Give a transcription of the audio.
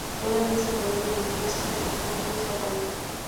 Todavía se prohíbe l ingreso de judíos al reino.